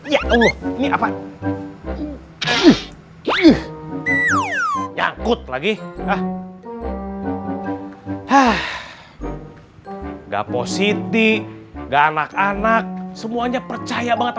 ya allah ini apa yang kut lagi ah ah nggak positi enggak anak anak semuanya percaya banget